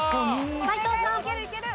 斎藤さん。